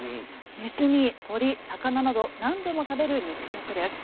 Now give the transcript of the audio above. ネズミ、鳥、魚などなんでも食べる肉食です。